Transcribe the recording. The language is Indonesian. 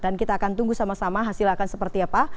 dan kita akan tunggu sama sama hasil akan seperti apa